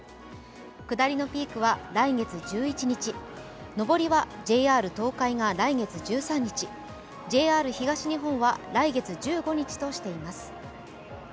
下りのピークは来月１１日、上りはＪＲ東海が来月１３日、ＪＲ東日本は来月１５日としています。